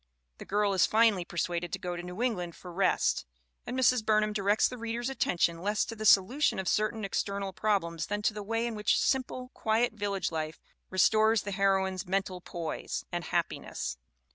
The girl is finally persuaded to go to New England for rest, and Mrs. Burnham directs the reader's at tention less to the solution of certain external prob lems than to the way in which simple, quiet village life restores the heroine's mental poise and happiness.